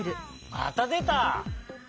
またでた！